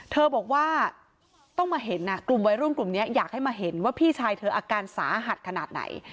เธอบอกว่าต้องมาเห็นกลุ่มวัยรุ่นกลุ่มนี้อยากให้มาเห็นว่าพี่ชายเธออาการสาหัสขนาดไหน